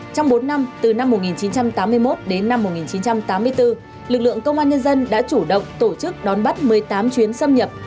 trong bốn năm từ năm một nghìn chín trăm tám mươi một đến năm một nghìn chín trăm tám mươi bốn lực lượng công an nhân dân đã chủ động tổ chức đón bắt một mươi tám chuyến xâm nhập